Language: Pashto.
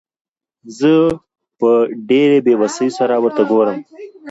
زه په ډېرې بېوسۍ سره ورته ګورم.